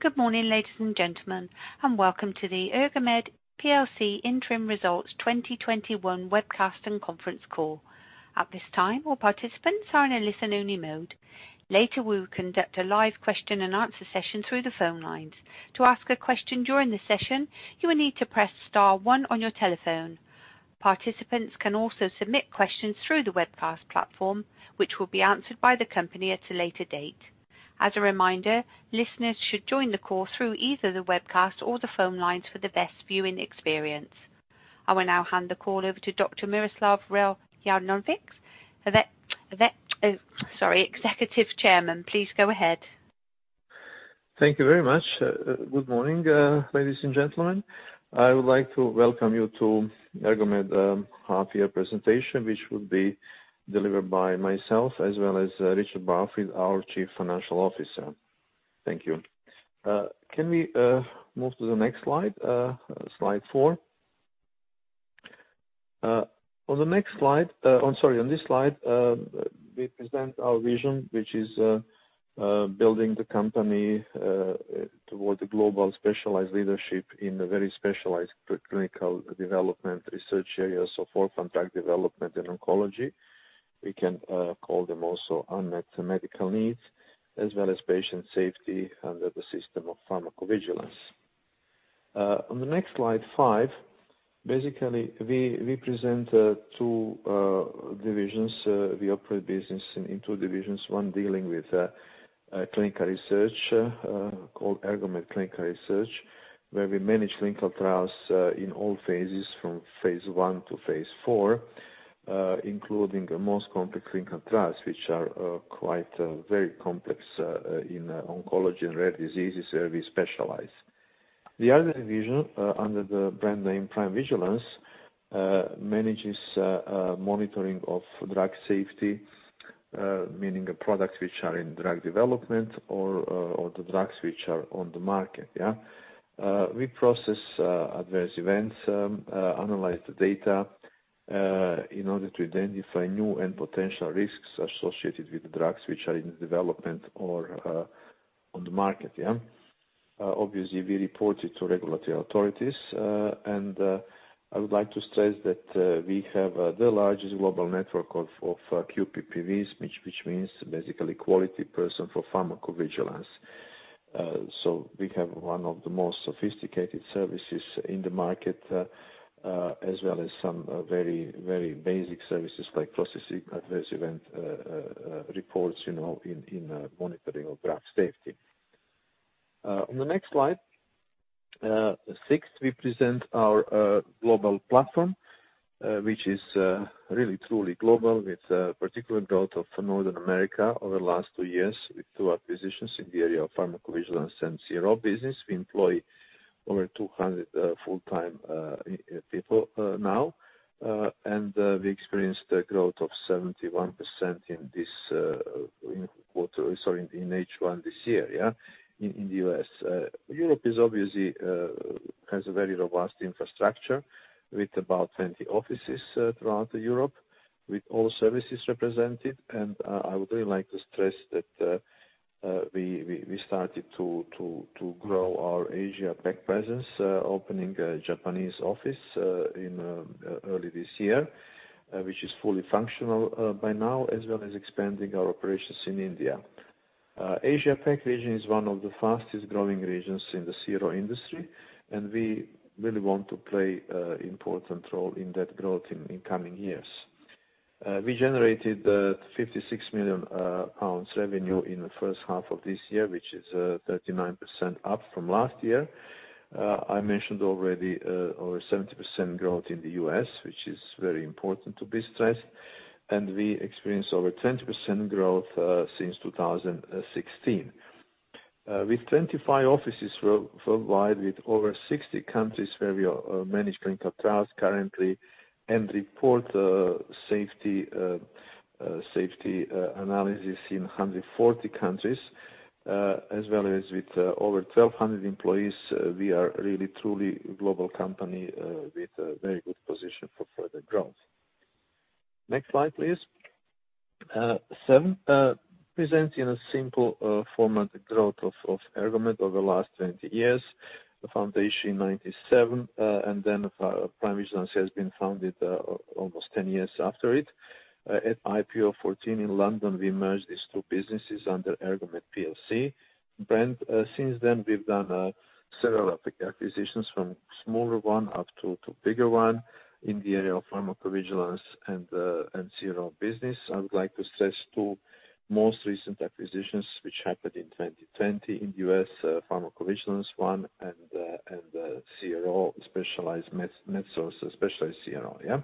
Good morning, ladies and gentlemen, and welcome to the Ergomed plc Interim results 2021 webcast and conference call. At this time, all participants are in a listen-only mode. Later, we will conduct a live question and answer session through the phone lines. To ask a question during the session, you will need to press star one on your telephone. Participants can also submit questions through the webcast platform, which will be answered by the company at a later date. As a reminder, listeners should join the call through either the webcast or the phone lines for the best viewing experience. I will now hand the call over to Dr. Miroslav Reljanović, Executive Chairman. Please go ahead. Thank you very much. Good morning, ladies and gentlemen. I would like to welcome you to Ergomed half-year presentation, which will be delivered by myself as well as Richard Barfield, our Chief Financial Officer. Thank you. Can we move to the next slide four? On this slide, we present our vision, which is building the company towards a global specialized leadership in a very specialized clinical development research area, so orphan drug development and oncology. We can call them also unmet medical needs, as well as patient safety under the system of pharmacovigilance. On the next slide, five, basically, we present two divisions. We operate business in two divisions, one dealing with clinical research, called Ergomed Clinical Research, where we manage clinical trials in all phases from phase I to phase IV, including the most complex clinical trials, which are very complex in oncology and rare diseases, where we specialize. The other division, under the brand name PrimeVigilance, manages monitoring of drug safety, meaning products which are in drug development or the drugs which are on the market. We process adverse events, analyze the data, in order to identify new and potential risks associated with drugs which are in development or on the market. Obviously, we report it to regulatory authorities. I would like to stress that we have the largest global network of QPPVs, which means basically Qualified Person for Pharmacovigilance. We have one of the most sophisticated services in the market, as well as some very basic services like processing adverse event reports in monitoring of drug safety. On the next slide, six, we present our global platform, which is really, truly global with particular growth of Northern America over the last two years with two acquisitions in the area of pharmacovigilance and CRO business. We employ over 200 full-time people now. We experienced a growth of 71% in H1 this year in the U.S. Europe obviously has a very robust infrastructure with about 20 offices throughout Europe, with all services represented. I would really like to stress that we started to grow our Asia-PAC presence, opening a Japanese office early this year, which is fully functional by now, as well as expanding our operations in India. Asia PAC region is one of the fastest-growing regions in the CRO industry. We really want to play an important role in that growth in the coming years. We generated 56 million pounds revenue in the first half of this year, which is 39% up from last year. I mentioned already over 70% growth in the U.S., which is very important to be stressed. We experienced over 20% growth since 2016. With 25 offices worldwide with over 60 countries where we manage clinical trials currently and report safety analysis in 140 countries, as well as with over 1,200 employees, we are really, truly a global company with a very good position for further growth. Next slide, please. seven, presenting a simple format growth of Ergomed over the last 20 years, the foundation in 1997. Then PrimeVigilance has been founded almost 10 years after it. At IPO 2014 in London, we merged these two businesses under Ergomed plc brand. Since then, we've done several acquisitions from smaller one up to bigger one in the area of pharmacovigilance and CRO business. I would like to stress two most recent acquisitions, which happened in 2020 in U.S., pharmacovigilance one, and the MedSource specialized CRO.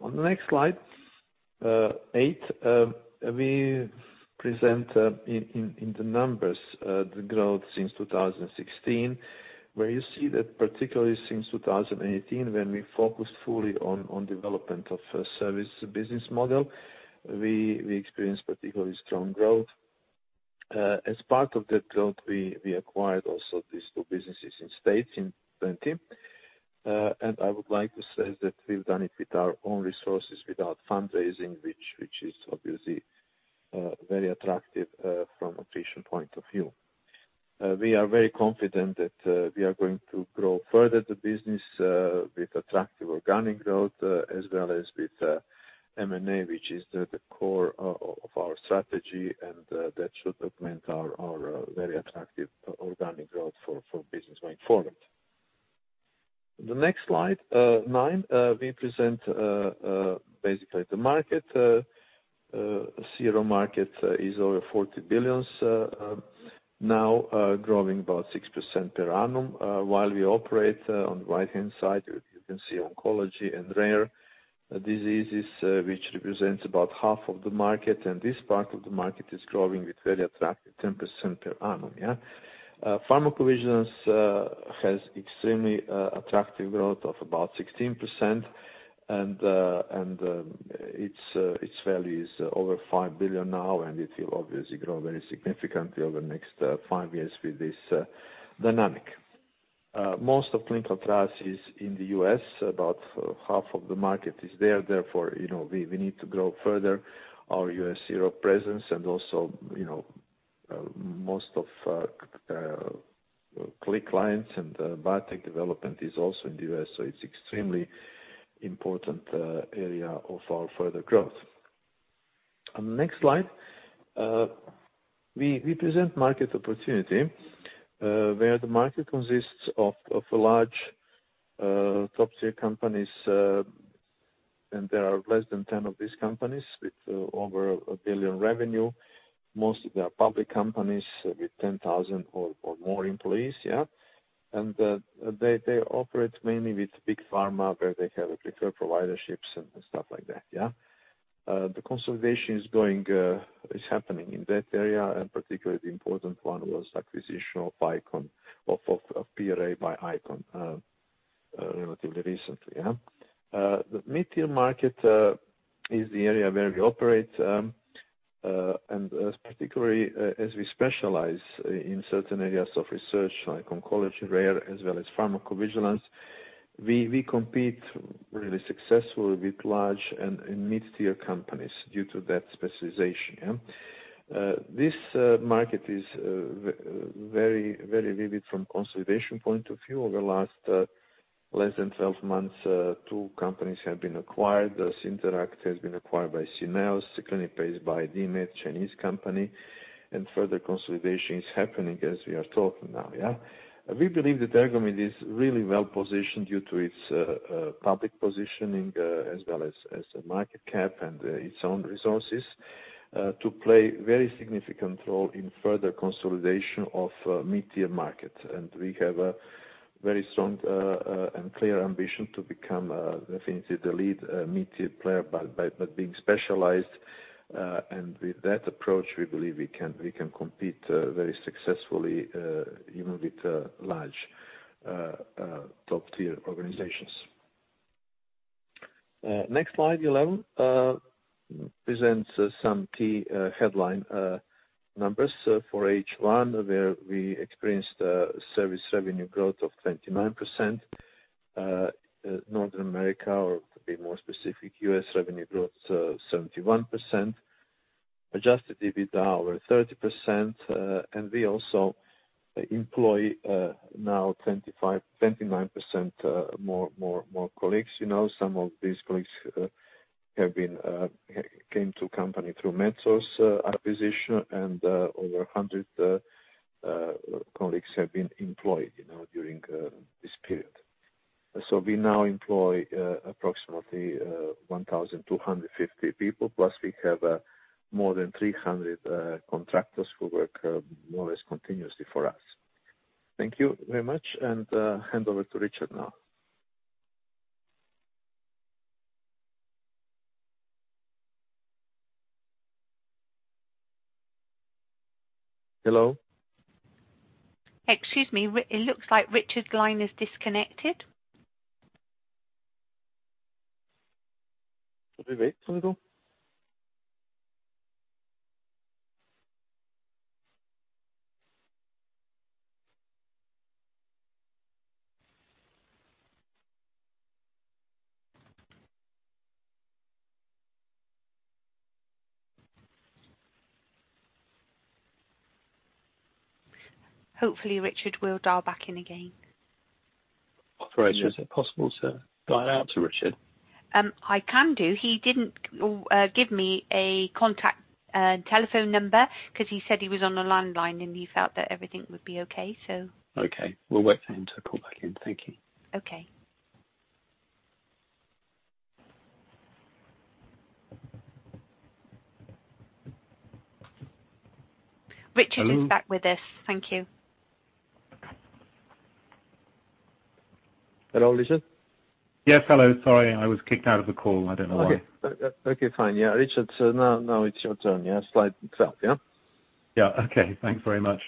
On the next slide, eight, we present in the numbers the growth since 2016, where you see that particularly since 2018, when we focused fully on development of service business model, we experienced particularly strong growth. As part of that growth, we acquired also these two businesses in States in 2020. I would like to say that we've done it with our own resources, without fundraising, which is obviously very attractive from a patient point of view. We are very confident that we are going to grow further the business with attractive organic growth as well as with M&A, which is the core of our strategy, and that should augment our very attractive organic growth for business going forward. The next slide, nine, we present basically the market. CRO market is over 40 billion now, growing about 6% per annum. While we operate on the right-hand side, you can see oncology and rare diseases, which represents about half of the market, and this part of the market is growing with very attractive 10% per annum. Pharmacovigilance has extremely attractive growth of about 16%, and its value is over 5 billion now, and it will obviously grow very significantly over the next five years with this dynamic. Most of clinical trials is in the U.S. About half of the market is there. Therefore, we need to grow further our U.S. CRO presence and also most of [cleanical] clients and biotech development is also in the U.S., so it is extremely important area of our further growth. On the next slide, we present market opportunity, where the market consists of large top-tier companies, and there are less than 10 of these companies with over 1 billion revenue. Most of them are public companies with 10,000 or more employees. They operate mainly with big pharma, where they have preferred providerships and stuff like that. The consolidation is happening in that area, and particularly the important one was acquisition of PRA Health Sciences by ICON plc relatively recently. The mid-tier market is the area where we operate, and particularly as we specialize in certain areas of research like oncology, rare, as well as pharmacovigilance. We compete really successfully with large and mid-tier companies due to that specialization. This market is very vivid from consolidation point of view. Over the last less than 12 months, two companies have been acquired. Synteract has been acquired by Syneos, Clinipace by dMed, Chinese company, and further consolidation is happening as we are talking now. We believe that Ergomed is really well-positioned due to its public positioning as well as market cap and its own resources to play very significant role in further consolidation of mid-tier market. We have a very strong and clear ambition to become definitely the lead mid-tier player by being specialized. With that approach, we believe we can compete very successfully even with large top-tier organizations. Next slide, 11, presents some key headline numbers for H1 where we experienced service revenue growth of 29%. Northern America, or to be more specific, U.S. revenue growth, 71%, adjusted EBITDA over 30%. We also employ now 29% more colleagues. Some of these colleagues came to company through MedSource acquisition. Over 100 colleagues have been employed during this period. We now employ approximately 1,250 people. We have more than 300 contractors who work more or less continuously for us. Thank you very much. Hand over to Richard now. Hello? Excuse me. It looks like Richard Barfield is disconnected. Should we wait for him? Hopefully Richard will dial back in again. Operator, is it possible to dial out to Richard? I can do. He didn't give me a contact telephone number because he said he was on a landline, and he felt that everything would be okay. Okay. We'll wait for him to call back in. Thank you. Okay. Richard is back with us. Thank you. Hello, Richard. Yes. Hello. Sorry, I was kicked out of the call. I don't know why. Okay, fine. Yeah, Richard, now it's your turn. Yeah, slide itself, yeah? Yeah. Okay. Thanks very much.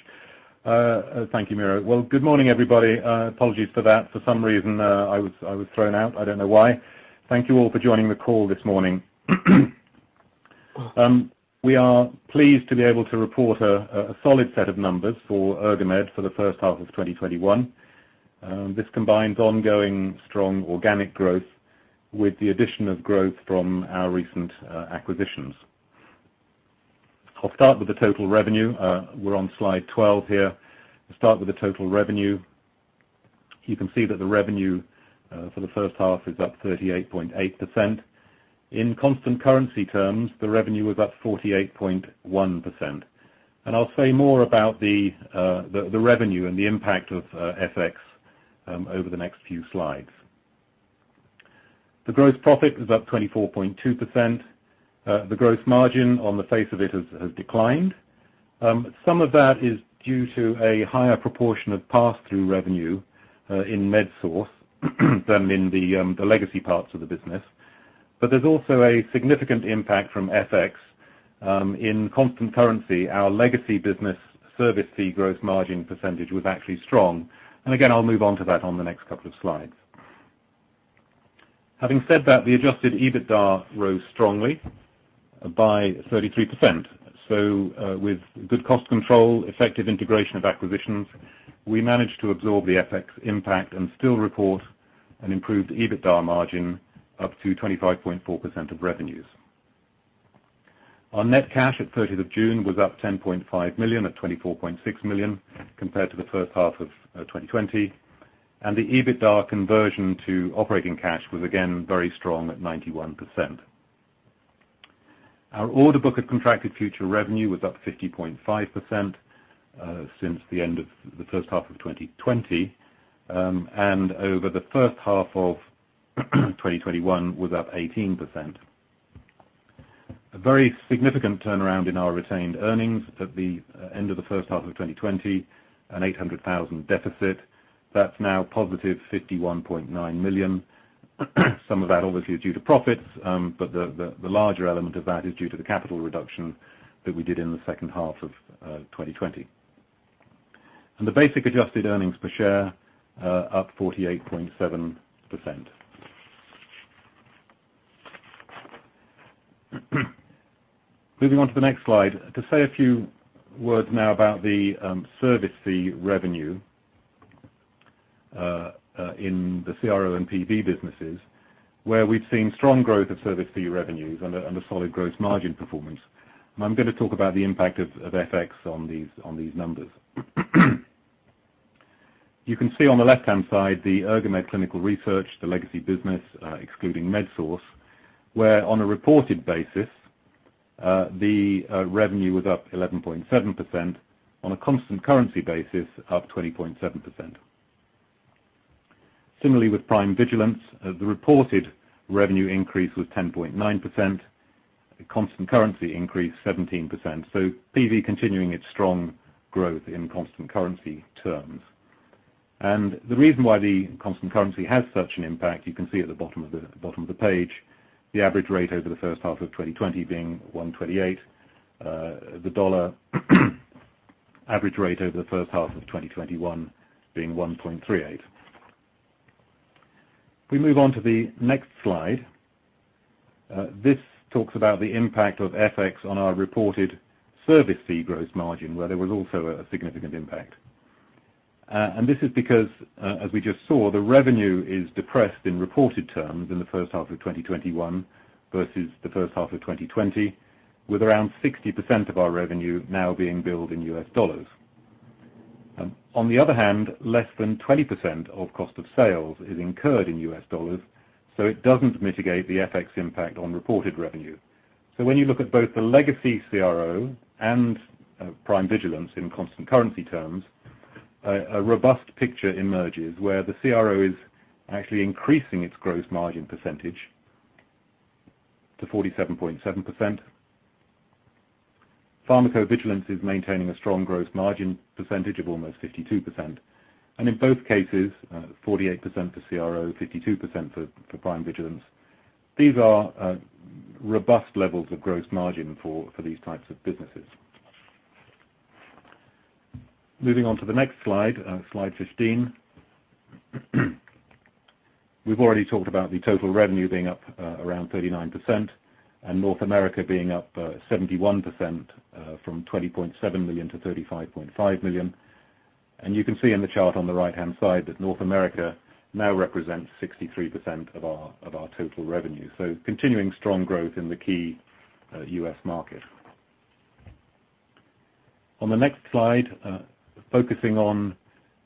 Thank you, Miro. Well, good morning, everybody. Apologies for that. For some reason, I was thrown out. I don't know why. Thank you all for joining the call this morning. We are pleased to be able to report a solid set of numbers for Ergomed for the first half of 2021. This combines ongoing strong organic growth with the addition of growth from our recent acquisitions. I'll start with the total revenue. We're on slide 12 here. I'll start with the total revenue. You can see that the revenue for the first half is up 38.8%. In constant currency terms, the revenue was up 48.1%. I'll say more about the revenue and the impact of FX over the next few slides. The gross profit is up 24.2%. The gross margin on the face of it has declined. Some of that is due to a higher proportion of pass-through revenue in MedSource than in the legacy parts of the business. There's also a significant impact from FX in constant currency. Our legacy business service fee gross margin % was actually strong. Again, I'll move on to that on the next couple of slides. Having said that, the adjusted EBITDA rose strongly by 33%. With good cost control, effective integration of acquisitions, we managed to absorb the FX impact and still report an improved EBITDA margin up to 25.4% of revenues. Our net cash at 30th of June was up 10.5 million at 24.6 million compared to the first half of 2020. The EBITDA conversion to operating cash was again very strong at 91%. Our order book of contracted future revenue was up 50.5% since the end of the first half of 2020, and over the first half of 2021 was up 18%. A very significant turnaround in our retained earnings at the end of the first half of 2020, a 800,000 deficit. That's now positive 51.9 million. Some of that obviously is due to profits, but the larger element of that is due to the capital reduction that we did in the second half of 2020. The basic adjusted earnings per share are up 48.7%. Moving on to the next slide. To say a few words now about the service fee revenue in the CRO and PV businesses, where we've seen strong growth of service fee revenues and a solid gross margin performance. I'm going to talk about the impact of FX on these numbers. You can see on the left-hand side the Ergomed Clinical Research, the legacy business, excluding MedSource, where on a reported basis, the revenue was up 11.7%, on a constant currency basis, up 20.7%. Similarly, with PrimeVigilance, the reported revenue increase was 10.9%, the constant currency increase, 17%. PV continuing its strong growth in constant currency terms. The reason why the constant currency has such an impact, you can see at the bottom of the page, the average rate over the first half of 2020 being 1.28. The dollar average rate over the first half of 2021 being 1.38. If we move on to the next slide. This talks about the impact of FX on our reported service fee gross margin, where there was also a significant impact. This is because, as we just saw, the revenue is depressed in reported terms in the first half of 2021 versus the first half of 2020, with around 60% of our revenue now being billed in US dollars. On the other hand, less than 20% of cost of sales is incurred in US dollars, it doesn't mitigate the FX impact on reported revenue. When you look at both the legacy CRO and PrimeVigilance in constant currency terms, a robust picture emerges where the CRO is actually increasing its gross margin percentage to 47.7%. Pharmacovigilance is maintaining a strong gross margin percentage of almost 52%. In both cases, 48% for CRO, 52% for PrimeVigilance. These are robust levels of gross margin for these types of businesses. Moving on to the next slide. Slide 15. We've already talked about the total revenue being up around 39% and North America being up 71% from 20.7 million to 35.5 million. You can see in the chart on the right-hand side that North America now represents 63% of our total revenue. Continuing strong growth in the key U.S. market. On the next slide, focusing on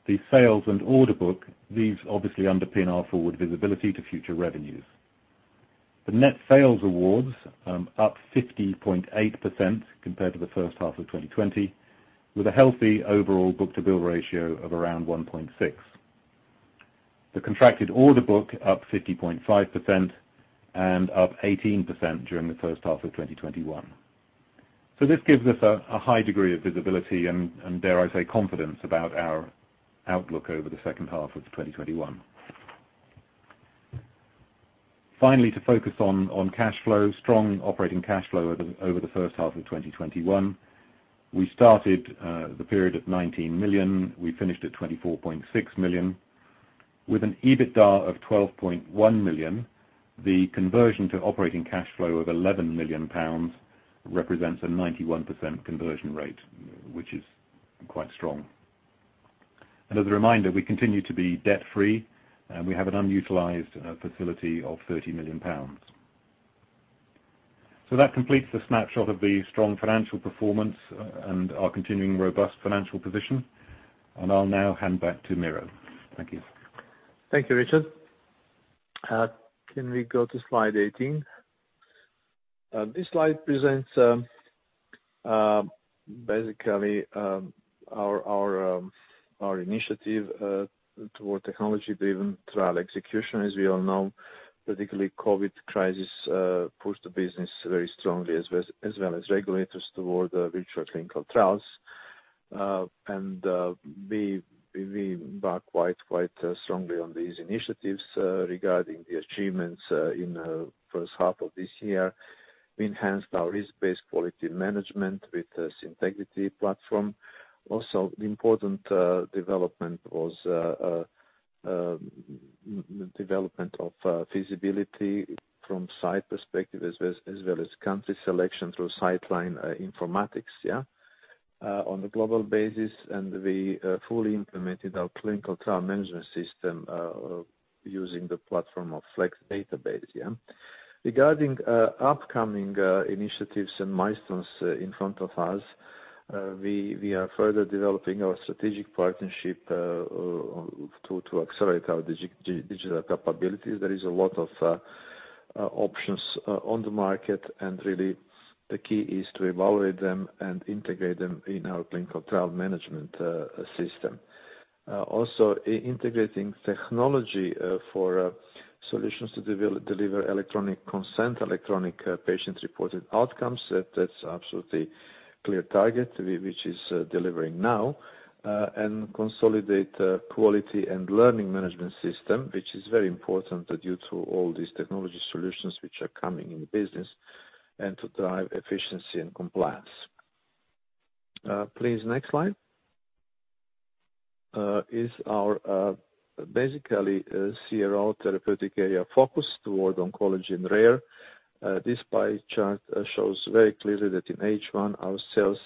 the sales and order book, these obviously underpin our forward visibility to future revenues. The net sales awards up 50.8% compared to the first half of 2020, with a healthy overall book-to-bill ratio of around 1.6. The contracted order book up 50.5% and up 18% during the first half of 2021. This gives us a high degree of visibility and dare I say, confidence about our outlook over the second half of 2021. Finally, to focus on cash flow, strong operating cash flow over the first half of 2021. We started the period at 19 million. We finished at 24.6 million. With an EBITDA of 12.1 million, the conversion to operating cash flow of 11 million pounds represents a 91% conversion rate, which is quite strong. As a reminder, we continue to be debt-free, and we have an unutilized facility of 30 million pounds. That completes the snapshot of the strong financial performance and our continuing robust financial position. I'll now hand back to Miro. Thank you. Thank you, Richard. Can we go to slide 18? This slide presents basically our initiative toward technology-driven trial execution. As we all know, particularly COVID crisis, pushed the business very strongly, as well as regulators toward virtual clinical trials. We back quite strongly on these initiatives regarding the achievements in the first half of this year. We enhanced our risk-based quality management with Cyntegrity platform. Also, the important development was the development of feasibility from site perspective as well as country selection through Citeline informatics on the global basis. We fully implemented our clinical trial management system using the platform of Flex Databases. Regarding upcoming initiatives and milestones in front of us, we are further developing our strategic partnership to accelerate our digital capabilities. There is a lot of options on the market and really the key is to evaluate them and integrate them in our Clinical Trial Management System. Also, integrating technology for solutions to deliver electronic consent, electronic patient-reported outcomes, that's absolutely clear target, which is delivering now. Consolidate quality and learning management system, which is very important due to all these technology solutions which are coming in the business and to drive efficiency and compliance. Please, next slide. This is our basically CRO therapeutic area focus toward oncology and rare. This pie chart shows very clearly that in H1 our sales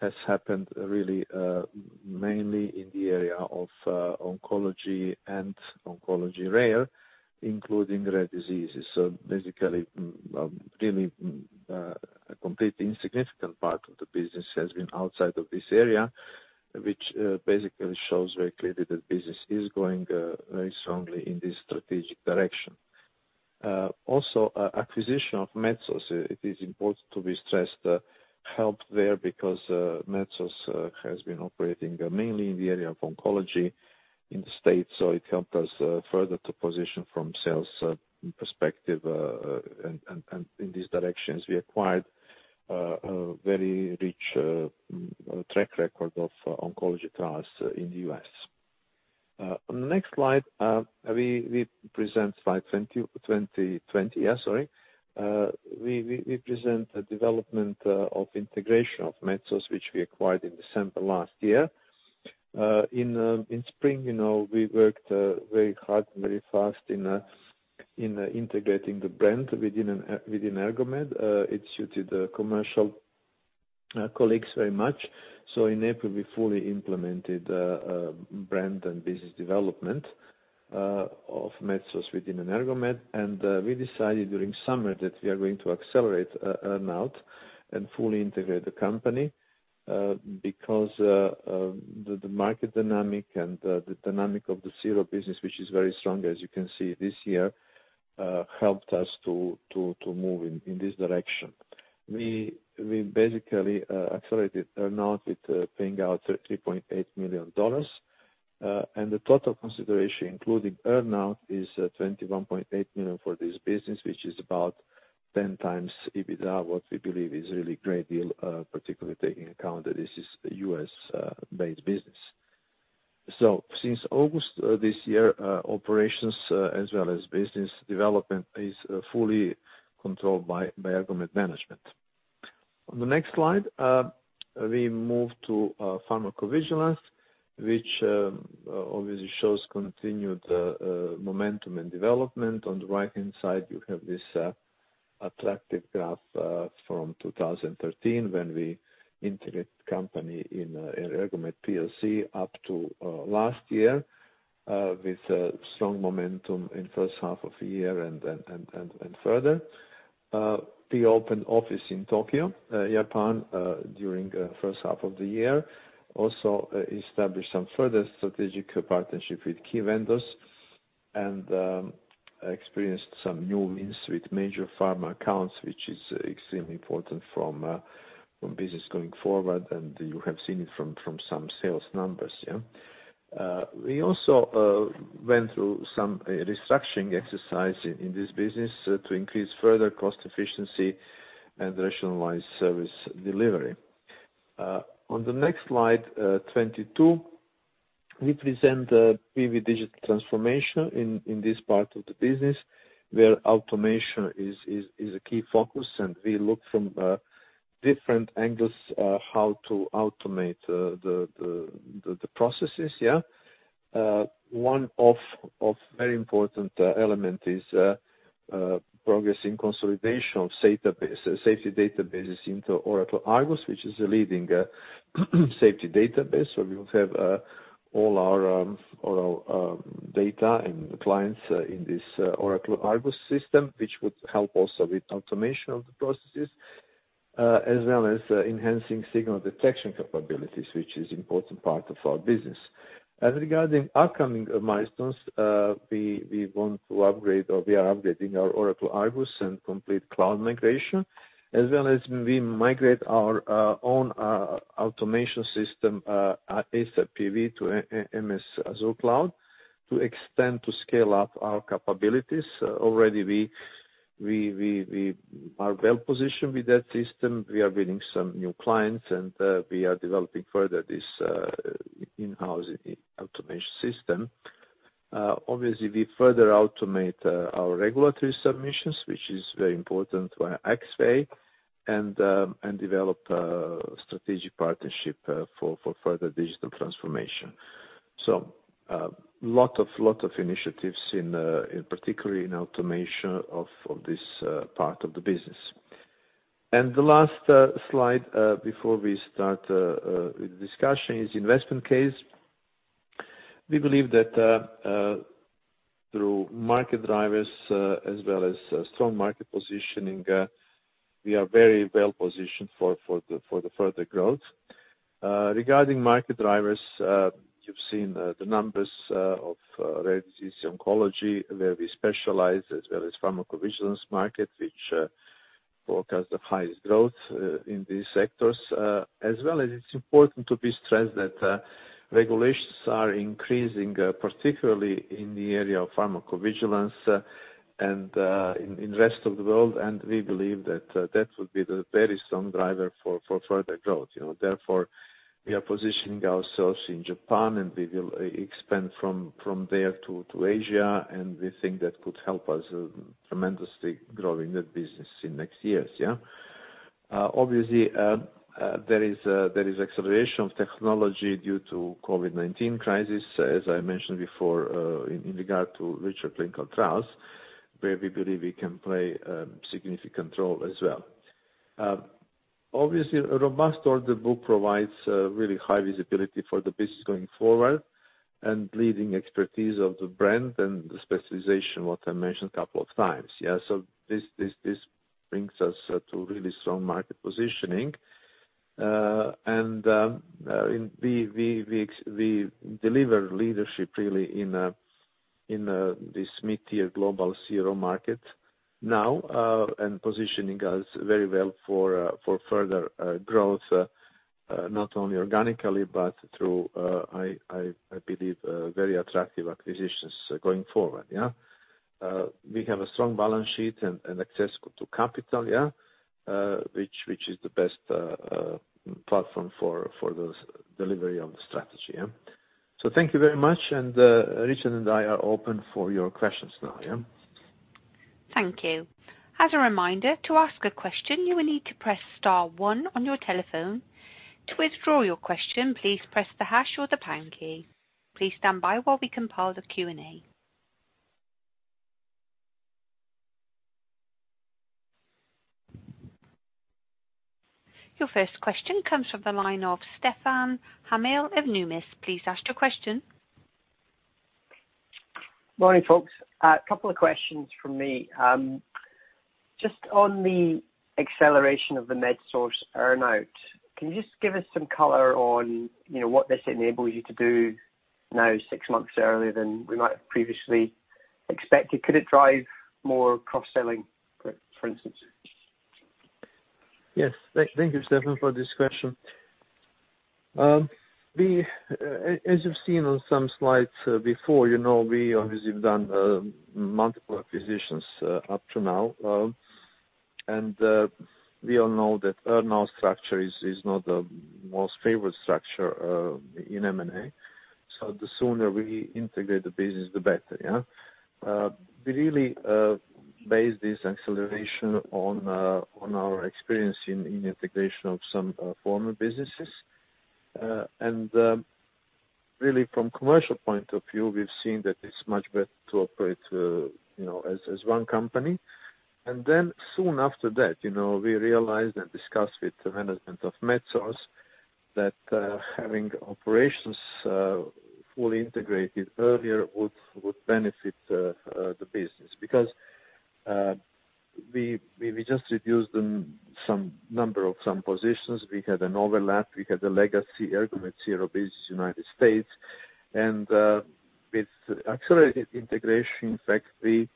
has happened really mainly in the area of oncology and oncology rare, including rare diseases. Basically, really a completely insignificant part of the business has been outside of this area, which basically shows very clearly that business is going very strongly in this strategic direction. Also, acquisition of MedSource. It is important to be stressed helped there because MedSource has been operating mainly in the area of oncology in the U.S., so it helped us further to position from sales perspective and in these directions. We acquired a very rich track record of oncology trials in the U.S. On the next slide, we present slide 20. We present the development of integration of MedSource, which we acquired in December last year. In spring, we worked very hard and very fast in integrating the brand within Ergomed. It suited the commercial colleagues very much. In April, we fully implemented brand and business development of MedSource within Ergomed. We decided during summer that we are going to accelerate earn-out and fully integrate the company because the market dynamic and the dynamic of the CRO business, which is very strong as you can see this year, helped us to move in this direction. We basically accelerated earn-out with paying out GBP 3.8 million. The total consideration, including earn-out, is 21.8 million for this business, which is about 10x EBITDA, what we believe is a really great deal, particularly taking account that this is a U.S.-based business. Since August this year, operations as well as business development is fully controlled by Ergomed management. On the next slide, we move to Pharmacovigilance, which obviously shows continued momentum and development. On the right-hand side, you have this attractive graph from 2013 when we integrate company ICON plc upto last year with strong momentum in first half of the year. We opened office in Tokyo, Japan, during first half of the year. Established some further strategic partnership with key vendors and experienced some new wins with major pharma accounts, which is extremely important from business going forward. You have seen it from some sales numbers. We also went through some restructuring exercise in this business to increase further cost efficiency and rationalize service delivery. On the next slide, 22, we present the PV digital transformation in this part of the business, where automation is a key focus, we look from different angles how to automate the processes. One of very important element is progress in consolidation of safety databases into Oracle Argus, which is a leading safety database. We will have all our data and the clients in this Oracle Argus system, which would help also with automation of the processes, as well as enhancing signal detection capabilities, which is important part of our business. Regarding upcoming milestones, we want to upgrade or we are upgrading our Oracle Argus and complete cloud migration. As well as we migrate our own automation system, ASaPPV to MS Azure Cloud, to extend to scale up our capabilities. Already we are well-positioned with that system. We are winning some new clients, and we are developing further this in-house automation system. Obviously, we further automate our regulatory submissions, which is very important via xEVMPD and develop a strategic partnership for further digital transformation. Lot of initiatives particularly in automation of this part of the business. The last slide before we start with discussion is investment case. We believe that through market drivers as well as strong market positioning, we are very well positioned for the further growth. Regarding market drivers, you've seen the numbers of rare disease oncology, where we specialize, as well as pharmacovigilance market, which forecast the highest growth in these sectors. It's important to be stressed that regulations are increasing, particularly in the area of pharmacovigilance and in rest of the world. We believe that that would be the very strong driver for further growth. We are positioning ourselves in Japan, and we will expand from there to Asia, and we think that could help us tremendously growing the business in next years. There is acceleration of technology due to COVID-19 crisis, as I mentioned before, in regard to richer clinical trials, where we believe we can play a significant role as well. A robust order book provides really high visibility for the business going forward and leading expertise of the brand and the specialization, what I mentioned a couple of times. This brings us to really strong market positioning. We deliver leadership really in this mid-tier global CRO market now, and positioning us very well for further growth, not only organically but through, I believe, very attractive acquisitions going forward. We have a strong balance sheet and access to capital, which is the best platform for the delivery of the strategy. Thank you very much. Richard and I are open for your questions now. Thank you. As a reminder, to ask a question, you will need to press star one on your telephone. To withdraw your question, please press the hash or the pound key. Please stand by while we compile the Q&A. Your first question comes from the line of Stefan Hamill of Numis. Please ask your question. Morning, folks. A couple of questions from me. Just on the acceleration of the MedSource earn-out. Can you just give us some color on what this enables you to do now, six months earlier than we might have previously expected? Could it drive more cross-selling, for instance? Yes. Thank you, Stefan, for this question. As you've seen on some slides before, we obviously have done multiple acquisitions up to now. We all know that earn out structure is not the most favorite structure in M&A. The sooner we integrate the business, the better. We really base this acceleration on our experience in integration of some former businesses. Really from commercial point of view, we've seen that it's much better to operate as one company. Soon after that, we realized and discussed with the management of MedSource that having operations fully integrated earlier would benefit the business because we just reduced some number of some positions. We had an overlap. We had a legacy Ergomed CRO Business U.S. With accelerated integration, in fact, we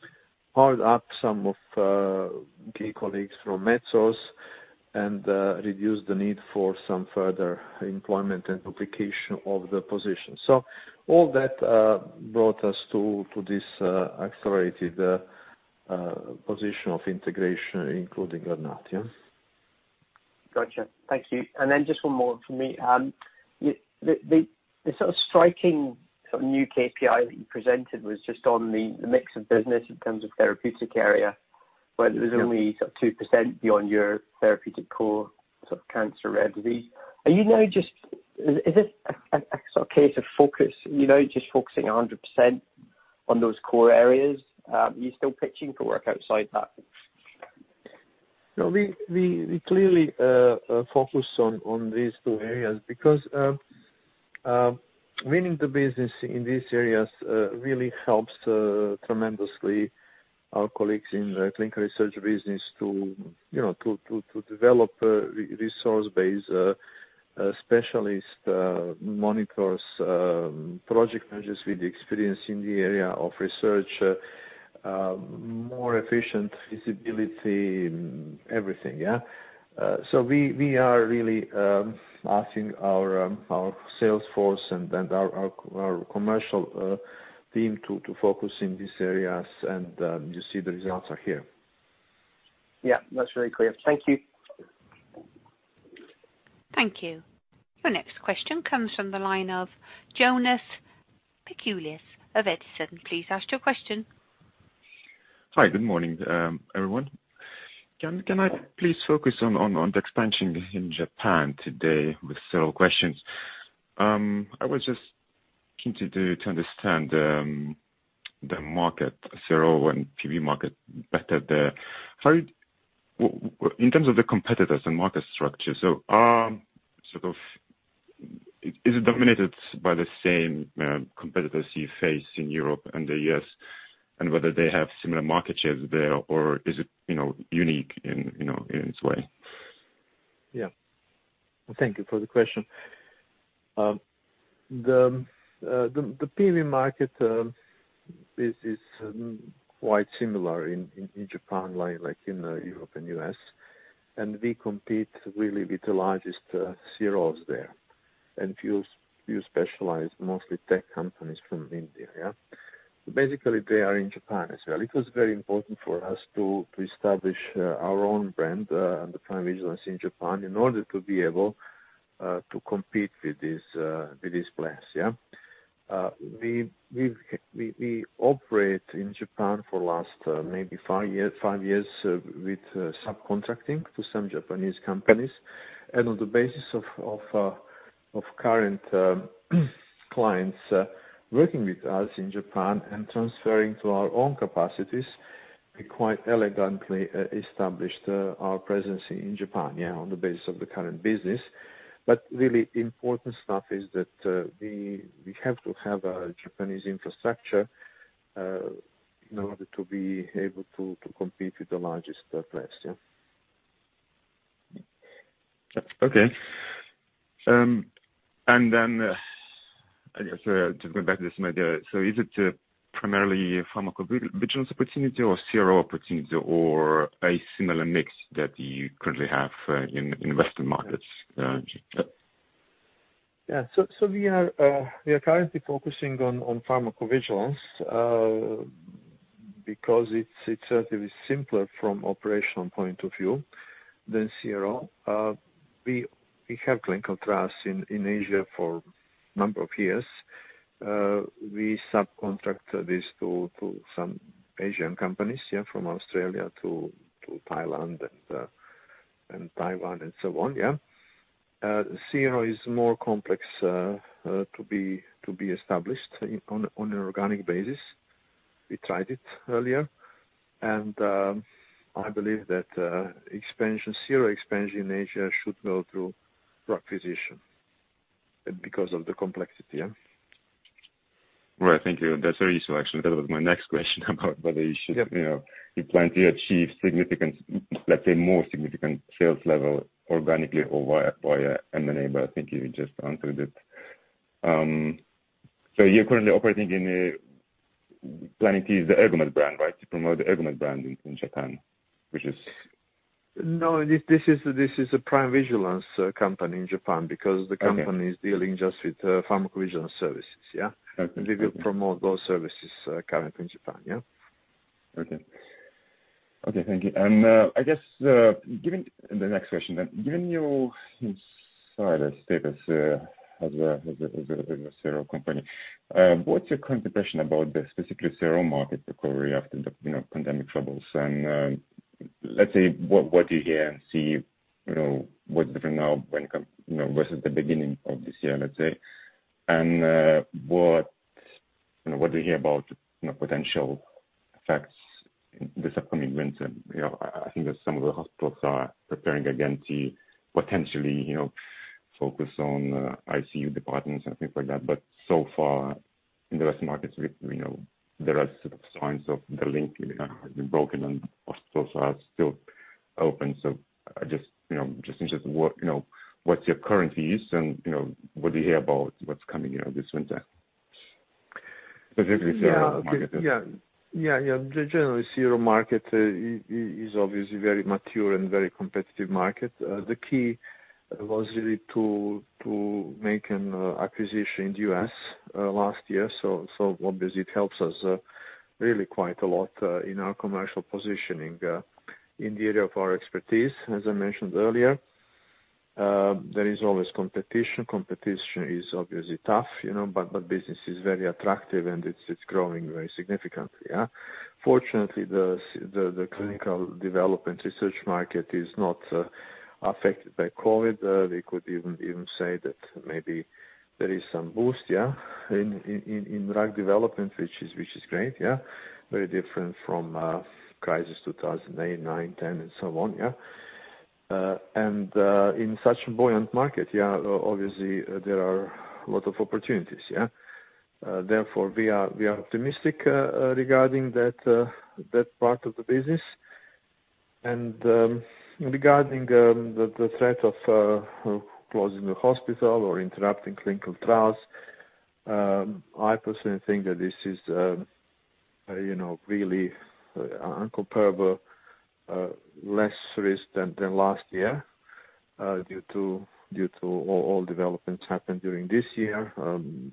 hired up some of key colleagues from MedSource and reduced the need for some further employment and duplication of the position. All that brought us to this accelerated position of integration, including earn-out. Got you. Thank you. Just one more from me. The sort of striking some new KPI that you presented was just on the mix of business in terms of therapeutic area, where there's only 2% beyond your therapeutic core cancer/rare disease. Is this a case of focus, just focusing 100% on those core areas? Are you still pitching for work outside that? We clearly focus on these two areas because winning the business in these areas really helps tremendously our colleagues in the clinical research business to develop a resource-based specialist, monitors, project managers with experience in the area of research, more efficient feasibility, everything. We are really asking our sales force and our commercial team to focus in these areas, and you see the results are here. Yeah. That's very clear. Thank you. Thank you. Your next question comes from the line of Jonas Peciulis of Edison. Please ask your question. Hi, good morning, everyone. Can I please focus on the expansion in Japan today with several questions? I was just keen to understand the market, CRO and PV market better there. In terms of the competitors and market structure, is it dominated by the same competitors you face in Europe and the U.S., and whether they have similar market shares there, or is it unique in its way? Yeah. Thank you for the question. The PV market is quite similar in Japan like in Europe and U.S., and we compete really with the largest CROs there, and few specialized mostly tech companies from India. Basically, they are in Japan as well. It was very important for us to establish our own brand and the Prime vigilance in Japan in order to be able to compete with these players. We operate in Japan for last maybe 5 years with subcontracting to some Japanese companies. On the basis of current clients working with us in Japan and transferring to our own capacities, we quite elegantly established our presence in Japan on the basis of the current business. Really important stuff is that we have to have a Japanese infrastructure in order to be able to compete with the largest players. Okay. Just going back to this idea. Is it primarily pharmacovigilance opportunity or CRO opportunity or a similar mix that you currently have in Western markets? Yeah. We are currently focusing on pharmacovigilance because it's relatively simpler from operational point of view than CRO. We have clinical trials in Asia for a number of years. We subcontract this to some Asian companies from Australia to Thailand and Taiwan and so on. CRO is more complex to be established on an organic basis. We tried it earlier. I believe that CRO expansion in Asia should go through acquisition because of the complexity. Right. Thank you. That's very useful, actually. That was my next question. Yep you plan to achieve more significant sales level organically or via M&A, but I think you just answered it. You're currently operating in planning to use the Ergomed brand, right, to promote the Ergomed brand in Japan, which is- No, this is a PrimeVigilance company in Japan because the company. Okay -is dealing just with pharmacovigilance services, yeah. Okay. We will promote those services currently in Japan. Okay. Thank you. I guess, the next question. Given your status as a CRO company, what's your current impression about the specifically CRO market recovery after the pandemic troubles? Let's say, what do you hear and see, what's different now versus the beginning of this year, let's say? What do you hear about potential effects this upcoming winter? I think that some of the hospitals are preparing again to potentially focus on ICU departments and things like that. So far in the West markets, there are signs of the link has been broken and hospitals are still open. I'm just interested in what's your current views and what do you hear about what's coming this winter, specifically CRO market? Yeah. Generally, CRO market is obviously very mature and very competitive market. The key was really to make an acquisition in the U.S. last year. Obviously it helps us really quite a lot in our commercial positioning in the area of our expertise, as I mentioned earlier. There is always competition. Competition is obviously tough, but the business is very attractive, and it's growing very significantly. Fortunately, the clinical development research market is not affected by COVID. We could even say that maybe there is some boost, yeah, in drug development, which is great, yeah. Very different from crisis 2008, 2009, 2010 and so on. In such a buoyant market, obviously there are a lot of opportunities. Therefore, we are optimistic regarding that part of the business. Regarding the threat of closing the hospital or interrupting clinical trials, I personally think that this is really incomparable, less risk than last year due to all developments happened during this year.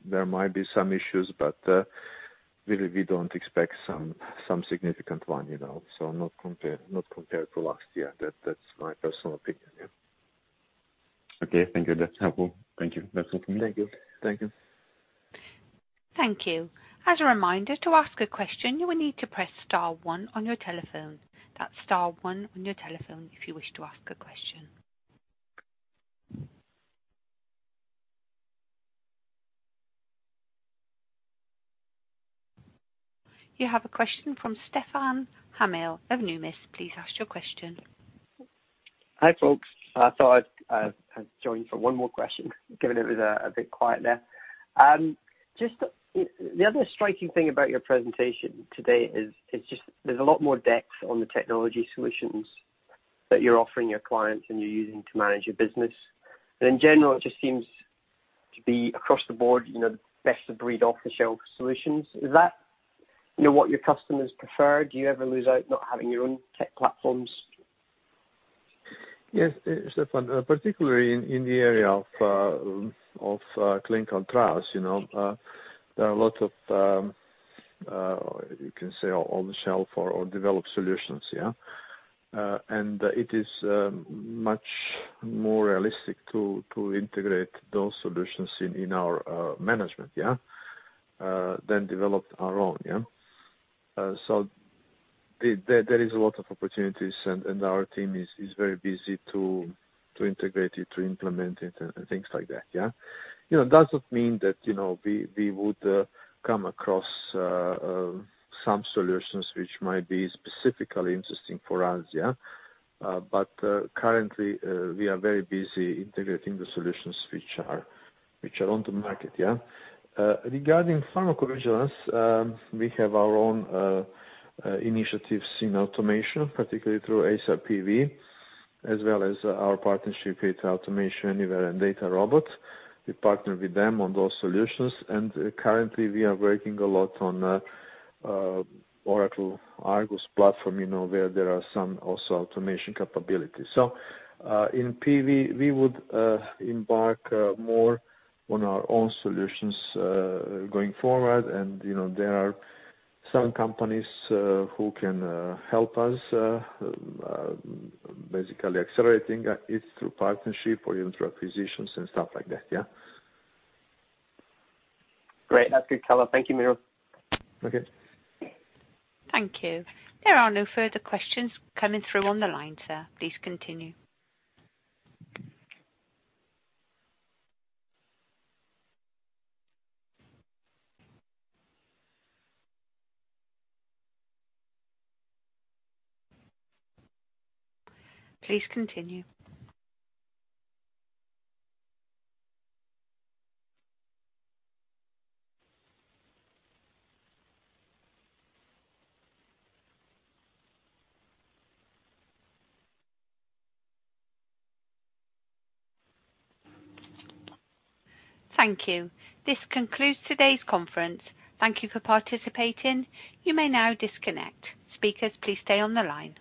There might be some issues, but really, we don't expect some significant one. Not compared to last year. That's my personal opinion, yeah. Okay. Thank you. That's helpful. Thank you. That's it from me. Thank you. Thank you. As a reminder, to ask a question, you will need to press star one on your telephone. That's star one on your telephone if you wish to ask a question. You have a question from Stefan Hamill of Numis. Please ask your question. Hi, folks. I thought I'd join for one more question, given it was a bit quiet there. Just the other striking thing about your presentation today is just there's a lot more depth on the technology solutions that you're offering your clients and you're using to manage your business. And in general, it just seems to be across the board, best of breed off-the-shelf solutions. Is that what your customers prefer? Do you ever lose out not having your own tech platforms? Yes, Stefan, particularly in the area of clinical trials, there are a lot of, you can say, on-the-shelf or developed solutions, yeah. It is much more realistic to integrate those solutions in our management than develop our own. There is a lot of opportunities, and our team is very busy to integrate it, to implement it, and things like that. It doesn't mean that we would come across some solutions which might be specifically interesting for us. Currently, we are very busy integrating the solutions which are on the market. Regarding pharmacovigilance, we have our own initiatives in automation, particularly through ASaPPV, as well as our partnership with Automation Anywhere and DataRobot. We partner with them on those solutions, and currently we are working a lot on Oracle Argus platform, where there are some also automation capabilities. In PV, we would embark more on our own solutions going forward. There are some companies who can help us, basically accelerating it through partnership or even through acquisitions and stuff like that, yeah. Great. That's good color. Thank you, Miro. Okay. Thank you. There are no further questions coming through on the line, sir. Please continue. Thank you. This concludes today's conference. Thank you for participating. You may now disconnect. Speakers, please stay on the line.